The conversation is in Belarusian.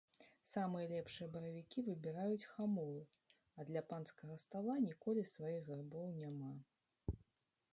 Самыя лепшыя баравікі выбіраюць хамулы, а для панскага стала ніколі сваіх грыбоў няма.